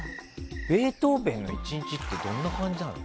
ベートーベンの１日ってどんな感じなの？